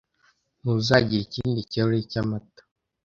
Ntuzagira ikindi kirahure cyamata?